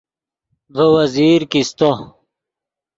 ڤے وزیر کیستو